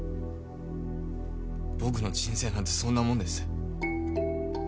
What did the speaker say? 僕の人生なんてそんなもんです。